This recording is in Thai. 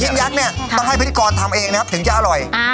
ชิ้นยักษ์เนี้ยต้องให้พลิกรณ์ทำเองถึงจะอร่อย